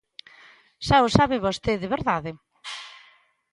Xa o sabe vostede, ¿verdade?